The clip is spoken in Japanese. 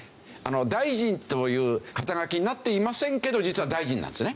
大臣という肩書になっていませんけど実は大臣なんですね。